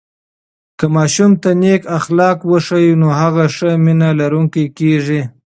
که ماشوم ته نیک اخلاق وښیو، نو هغه ښه مینه لرونکی کېږي.